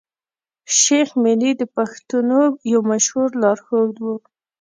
شېخ ملي د پښتنو يو مشهور لار ښود وو.